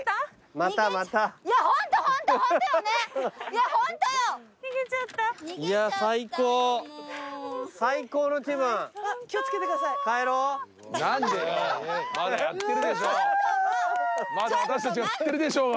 まだ私たちが釣ってるでしょうが。